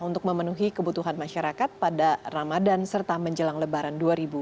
untuk memenuhi kebutuhan masyarakat pada ramadan serta menjelang lebaran dua ribu dua puluh